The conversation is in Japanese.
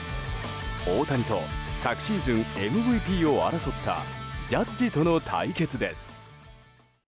大谷と昨シーズンのＭＶＰを争ったジャッジとの対決です。